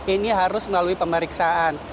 ini harus melalui pemeriksaan